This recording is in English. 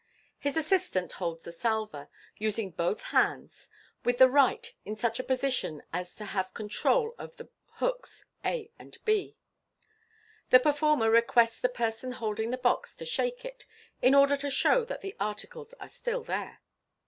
His assistant holds the salver, using both hands, with his right in such a position as to have control of the hooks a and b. The performer requests the person holding the box to shake it, in order to show that the articles are still there.